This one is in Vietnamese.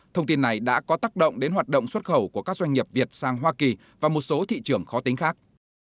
thông tin này đã có tác động đến hoạt động xuất khẩu của các doanh nghiệp việt sang hoa kỳ và một số thị trường khó tính khác